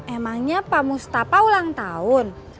emangnya pak mustafa ulang tahun